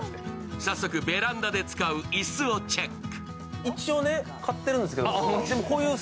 早速ベランダで使う椅子をチェック。